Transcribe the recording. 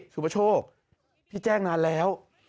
สุประโชคพี่แจ้งนานแล้ว